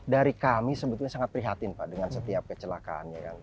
dari kami sebetulnya sangat prihatin pak dengan setiap kecelakaannya